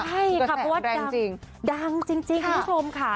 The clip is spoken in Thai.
ใช่ครับดังจริงคุณผู้ชมค่ะ